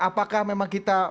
apakah memang kita